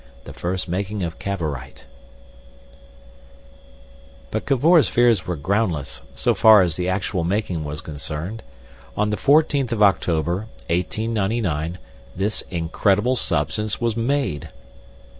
The First Making of Cavorite But Cavor's fears were groundless, so far as the actual making was concerned. On the 14th of October, 1899, this incredible substance was made!